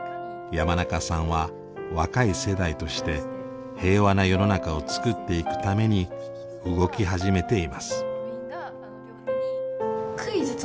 山中さんは若い世代として平和な世の中をつくっていくために動き始めています。